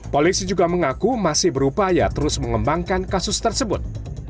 polisi juga mengaku masih berupaya terus mengembangkan kasus tersebut